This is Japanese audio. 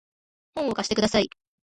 本を貸してください